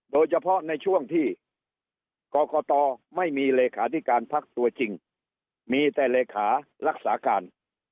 โดยเฉพาะในช่วงที่กรกตไม่มีเลขาธิการพักตัวจริงมีแต่เลขารักษาการ